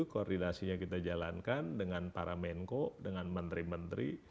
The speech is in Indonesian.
koordinasinya kita jalankan dengan para menko dengan menteri menteri